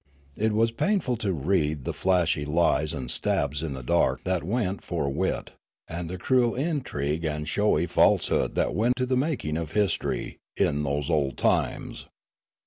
It was painful to read the flashy lies and stabs in the dark that went for wit, and the cruel intrigue and showy falsehood that went to the making of history, in those old times.